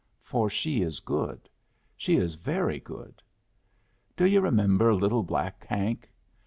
For she is good. She is very good. Do yu' remember little black Hank?